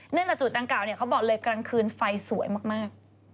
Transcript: จากจุดดังกล่าวเขาบอกเลยกลางคืนไฟสวยมาก